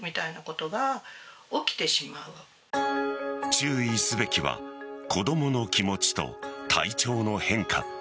注意すべきは子供の気持ちと体調の変化。